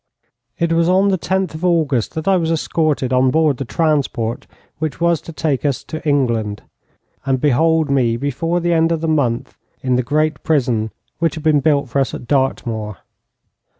It was on the 10th of August that I was escorted on board the transport which was to take us to England, and behold me before the end of the month in the great prison which had been built for us at Dartmoor!